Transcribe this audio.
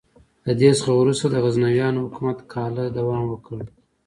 له دې څخه وروسته د غزنویانو حکومت کاله دوام وکړ.